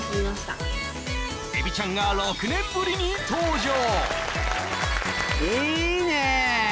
エビちゃんが６年ぶりに登場